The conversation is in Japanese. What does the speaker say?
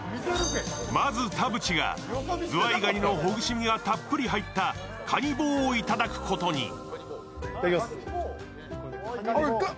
まず田渕がズワイガニのほぐし身がたっぷり入ったカニ棒をいただくことに。